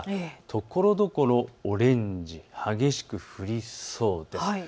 ところどころオレンジ、激しく降りそうです。